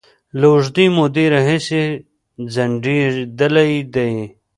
له اوږدې مودې راهیسې ځنډيدلې دي